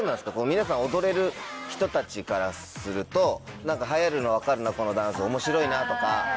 皆さん踊れる人たちからすると「流行るの分かるなこのダンス面白いな」とか。